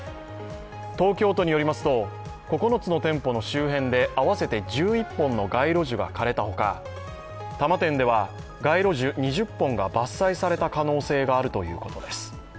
東京都によりますと、９つの店舗の周辺で合わせて１１本の街路樹が枯れたほか多摩店では、街路樹２０本が伐採された可能性があるということです。